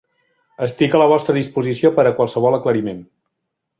Estic a la vostra disposició per a qualsevol aclariment.